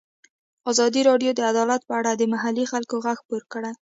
ازادي راډیو د عدالت په اړه د محلي خلکو غږ خپور کړی.